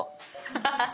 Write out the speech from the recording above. アハハハ。